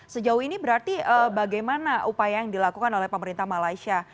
sejauh ini berarti bagaimana upaya yang dilakukan oleh pemerintah malaysia